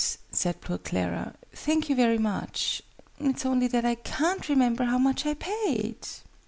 said poor Clara. "Thank you very much. It's only that I can't remember how much I paid!"